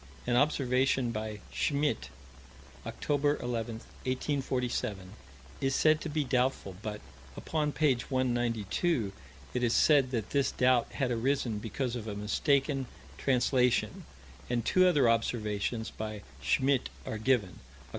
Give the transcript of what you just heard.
An observation by Schmidt, Oct. 11, 1847, is said to be doubtful: but, upon page 192, it is said that this doubt had arisen because of a mistaken translation, and two other observations by Schmidt are given: Oct.